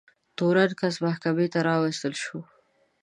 تورن کس محکمې ته راوستل شو.